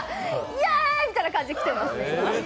イエーイみたいな感じで今、来てます。